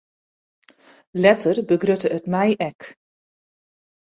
Letter begrutte it my ek.